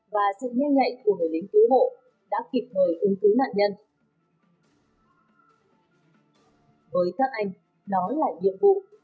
với các anh đó là nhiệm vụ